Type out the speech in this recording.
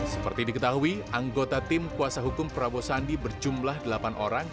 seperti diketahui anggota tim kuasa hukum prabowo sandi berjumlah delapan orang